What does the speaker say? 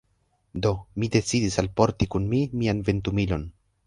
Do, mi decidis alporti kun mi mian ventumilon.